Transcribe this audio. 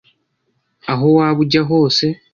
Aho waba ujya hose